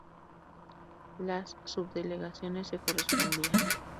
Las subdelegaciones se correspondían.